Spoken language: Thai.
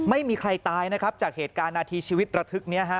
ไม่มีใครตายนะครับจากเหตุการณ์นาทีชีวิตระทึกนี้ฮะ